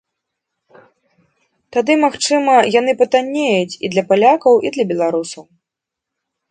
Тады, магчыма, яны патаннеюць і для палякаў, і для беларусаў.